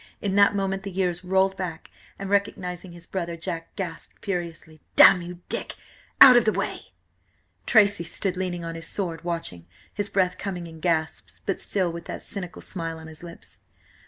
In that moment the years rolled back, and, recognising his brother, Jack gasped furiously: "Damn–you–Dick! Out–of–the way!" Tracy stood leaning on his sword, watching, his breath coming in gasps, but still with that cynical smile on his lips.